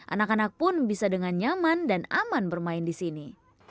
anak anak pun bisa dengan nyaman dan aman bermain di sini